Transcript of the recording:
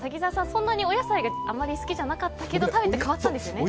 そんなにお野菜があまり好きじゃなかったけど食べて変わったんですよね。